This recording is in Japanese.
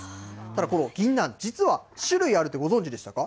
ただこのぎんなん、実は種類あるってご存じでしたか？